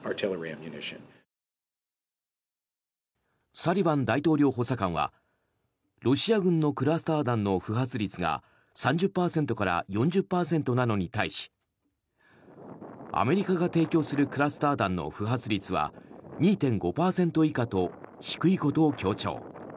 サリバン大統領補佐官はロシア軍のクラスター弾の不発率が３０％から４０％なのに対しアメリカが提供するクラスター弾の不発率は２．５％以下と低いことを強調。